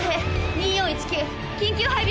２４−１９緊急配備